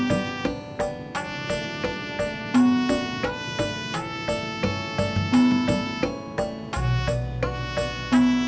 bricu jangan habis